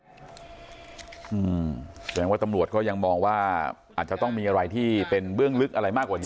แสดงว่าตำรวจก็ยังมองว่าอาจจะต้องมีอะไรที่เป็นเบื้องลึกอะไรมากกว่านี้